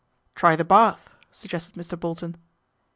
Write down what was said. "Try the bath," suggested Mr. Bolton.